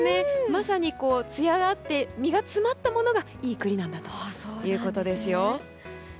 まさにつやがあって身が詰まったものがいい栗だということですよ。